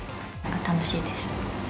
楽しいです。